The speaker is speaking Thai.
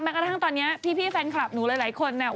กระทั่งตอนนี้พี่แฟนคลับหนูหลายคนเนี่ย